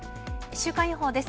週間予報です。